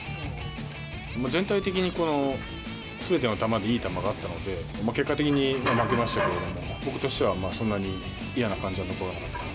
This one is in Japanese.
全体的にすべての球でいい球だったので、結果的に負けましたけれども、僕としてはそんなに嫌な感じは残らなかった。